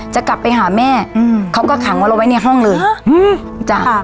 จะกลับไปหาแม่อืมเขาก็ขังว่าเราไว้ในห้องเลยฮะอืมจ้ะค่ะ